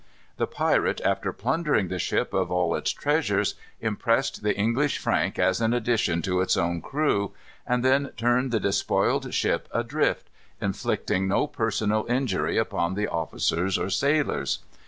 The pirate, after plundering the ship of all its treasures, impressed the English Frank as an addition to its own crew; and then turned the despoiled ship adrift, inflicting no personal injury upon the officers or sailors.